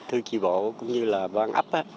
thư tri bộ cũng như là văn ấp